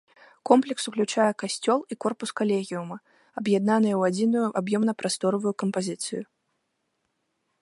Комплекс уключае касцёл і корпус калегіума, аб'яднаныя ў адзіную аб'ёмна-прасторавую кампазіцыю.